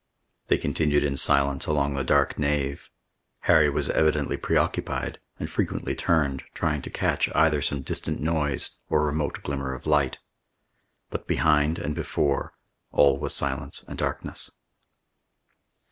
They continued in silence along the dark nave. Harry was evidently preoccupied, and frequently turned, trying to catch, either some distant noise, or remote glimmer of light. But behind and before, all was silence and darkness.